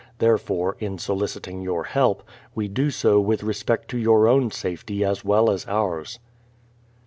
Therefore, in soliciting your help, we do so with respect to your own safety as well as ours.